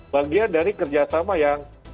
bagian dari kerjasama yang